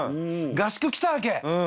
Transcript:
合宿来たわけ。